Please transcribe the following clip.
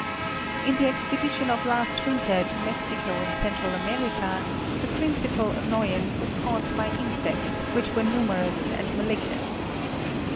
In the expedition of last winter to Mexico and Central America, the principal annoyance was caused by insects which were numerous and malignant.